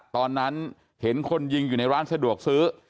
ตอนนั้นเห็นคนยิงอยู่ในร้านสะดวกซื้อ